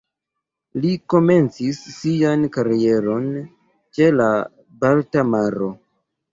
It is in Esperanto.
Li komencis sian karieron ĉe la Balta Maro.